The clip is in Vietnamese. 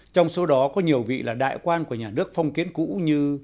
trong số đó có nhiều vị là đại quan của nhà nước phong kiến cũ như